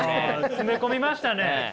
詰め込みましたね。